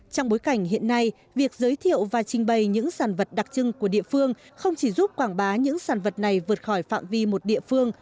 trong bối cảnh hiện nay việc giới thiệu và trình bày những sản vật đặc trưng của địa phương không chỉ giúp quảng bá những sản vật này vượt khỏi phạm vi một địa phương